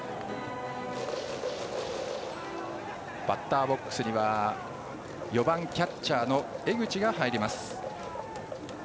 バッターボックスには４番、キャッチャーの江口が入ります。